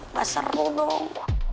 gak seru dong